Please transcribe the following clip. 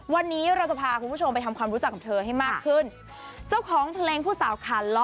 วันนี้เราจะพาคุณผู้ชมไปทำความรู้จักกับเธอให้มากขึ้นเจ้าของเพลงผู้สาวขาล้อ